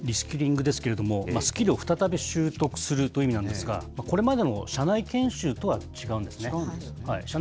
リスキリングですけれども、スキルを再び習得するという意味なんですが、これまでの社内研修とは違うんですね。